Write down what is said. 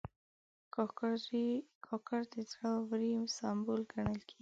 کاکړ د زړه ورۍ سمبول ګڼل کېږي.